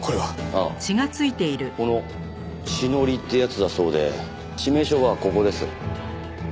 ああこの血のりってやつだそうで致命傷はここです。